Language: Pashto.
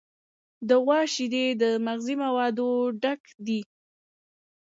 د غوا شیدې د مغذي موادو ډک دي.